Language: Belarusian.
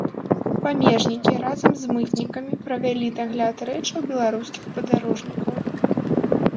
Памежнікі разам з мытнікамі правялі дагляд рэчаў беларускіх падарожнікаў.